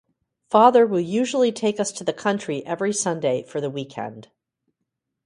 Father will usually take us to the country every Sunday for the weekend.